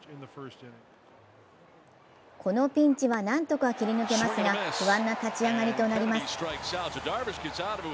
このピンチは何とか切り抜けますが不安な立ち上がりとなります。